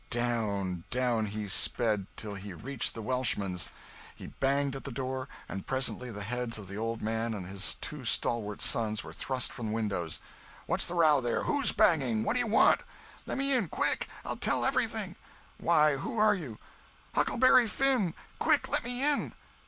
Down, down he sped, till he reached the Welshman's. He banged at the door, and presently the heads of the old man and his two stalwart sons were thrust from windows. "What's the row there? Who's banging? What do you want?" "Let me in—quick! I'll tell everything." "Why, who are you?" "Huckleberry Finn—quick, let me in!"